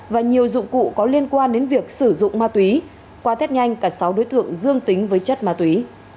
và nhiều dụng cụ có liên quan đến việc sử dụng ma túy qua tết nhanh cả sáu đối tượng dương tính với chất ma túy